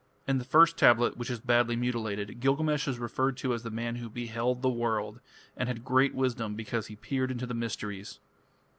In the first tablet, which is badly mutilated, Gilgamesh is referred to as the man who beheld the world, and had great wisdom because he peered into the mysteries.